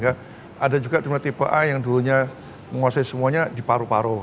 tidak cuma tipe a yang dulunya menguasai semuanya di paruh paruh